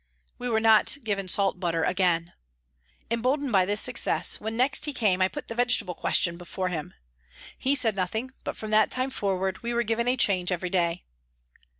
We were not given salt butter again. Emboldened by this success when next he came I put the vegetable question before him. He said nothing, but from that time forward we were given a change every day.